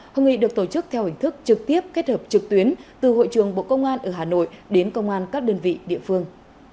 hội nghị được tổ chức theo hình thức trực tiếp kết hợp trực tuyến từ hội trường bộ công an ở hà nội đến công an các đơn vị địa phương